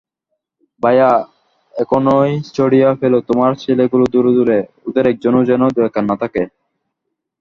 ভায়া, এখনই ছড়িয়ে ফেলো তোমার ছেলেগুলো দূরে দূরে–ওদের একজনও যেন বেকার না থাকে।